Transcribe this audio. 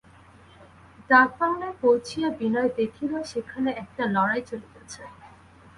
ডাকবাংলায় পৌঁছিয়া বিনয় দেখিল সেখানে একটা লড়াই চলিতেছে।